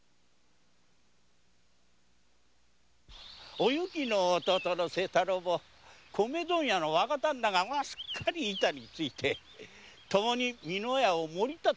お幸の弟の清太郎も米問屋の若ダンナがすっかり板についてともに美乃屋を盛りたてておりました。